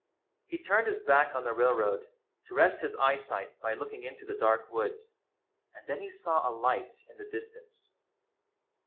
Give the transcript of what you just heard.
He turned his back on the railroad to rest his eyesight by looking into the dark woods, and then he saw a light in the dis tance.